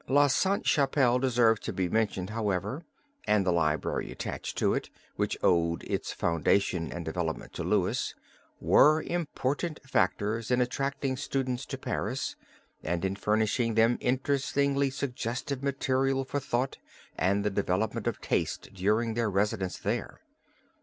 La Sainte Chapelle deserves to be mentioned, however, and the library attached to it, which owed its foundation and development to Louis, were important factors in attracting students to Paris and in furnishing them interestingly suggestive material for thought and the development of taste during their residence there.